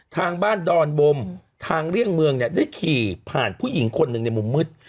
ทางบ้านดอลมบมได้ขี่ผ่านผู้หญิงคนหนึ่งในมุมมืด